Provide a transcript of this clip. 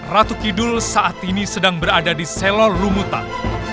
ratu kidul saat ini sedang berada di selol lumutan